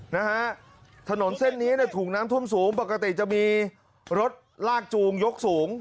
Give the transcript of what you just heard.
นะฮะถนนเส้นนี้เนี่ยถูกน้ำท่วมสูงปกติจะมีรถลากจูงยกสูง